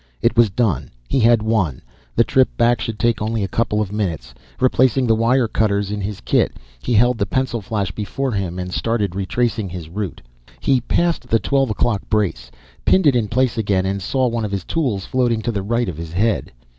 It was done; he had won. The trip back should take only a couple of minutes. Replacing the wire cutters in his kit, he held the pencil flash before him and started retracing his route. He passed the twelve o'clock brace, pinned it in place again and saw one of his tools floating to the right of his head.